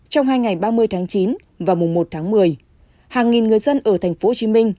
trong hai ngày ba mươi tháng chín và mùng một tháng một mươi hàng nghìn người dân ở tp hcm